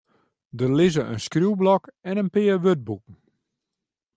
Der lizze in skriuwblok en in pear wurdboeken.